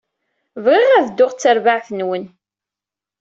Bɣiɣ ad dduɣ d terbaɛt-nwen.